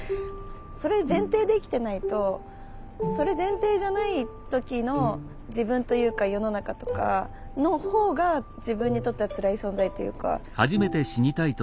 それ前提で生きてないとそれ前提じゃない時の自分というか世の中とかの方が自分にとってはつらい存在というか。